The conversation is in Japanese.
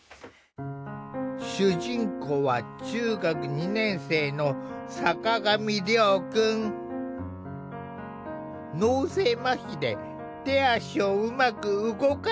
主人公は中学２年生の脳性まひで手足をうまく動かせない。